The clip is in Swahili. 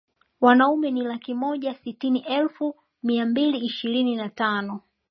Wanaume ni laki moja sitini elfu mia mbili ishirini na tano